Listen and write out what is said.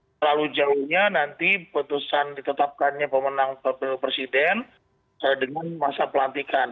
terlalu jauhnya nanti putusan ditetapkannya pemenang pemilu presiden dengan masa pelantikan